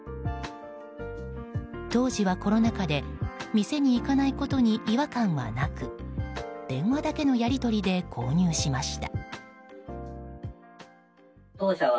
当時はコロナ禍で店に行かないことに違和感はなく電話だけのやり取りで購入しました。